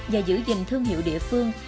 và giữ gìn thương hiệu địa phương